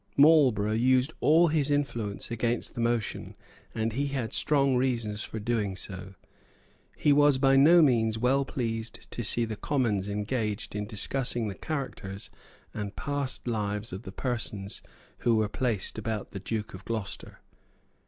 Marlborough used all his influence against the motion; and he had strong reasons for doing so. He was by no means well pleased to see the Commons engaged in discussing the characters and past lives of the persons who were placed about the Duke of Gloucester.